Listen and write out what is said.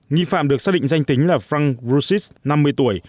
nghi phạm được xác định danh tính là frank busis năm mươi tuổi